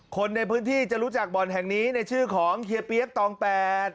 คนในพื้นที่จะรู้จักบ่อนแห่งนี้ในชื่อของเฮียเปี๊ยกตองแปด